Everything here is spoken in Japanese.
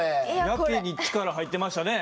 やけに力入ってましたね。